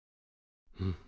うん。